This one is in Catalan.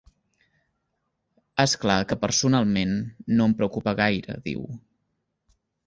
És clar que personalment no em preocupa gaire, diu.